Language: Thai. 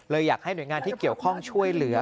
อยากให้หน่วยงานที่เกี่ยวข้องช่วยเหลือ